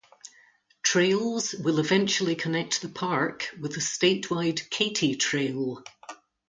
Trails will eventually connect the park with the statewide Katy Trail.